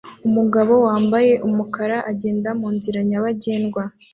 Umugabo wambaye umukara agenda munzira nyabagendwa